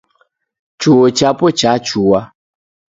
Chuo chapo chachua